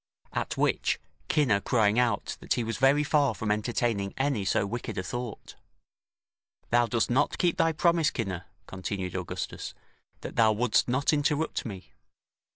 At which Cinna crying out that he was very far from entertaining any so wicked a thought: "Thou dost not keep thy promise, Cinna," continued Augustus, "that thou wouldst not interrupt me.